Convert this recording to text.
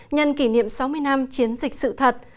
nhân kỷ niệm sáu mươi năm chiến dịch sự thật